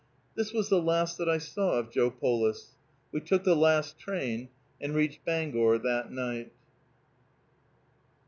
This was the last that I saw of Joe Polis. We took the last train, and reached Bangor that night.